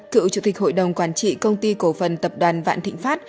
cựu chủ tịch hội đồng quản trị công ty cổ phần tập đoàn vạn thịnh pháp